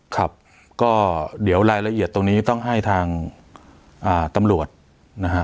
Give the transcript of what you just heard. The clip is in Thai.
ครับก็เดี๋ยวรายละเอียดตรงนี้ต้องให้ทางตำรวจนะฮะ